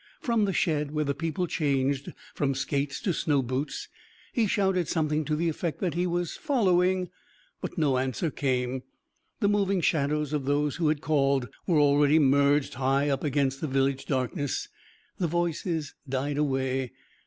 From the shed where the people changed from skates to snow boots he shouted something to the effect that he was "following"; but no answer came; the moving shadows of those who had called were already merged high up against the village darkness. The voices died away.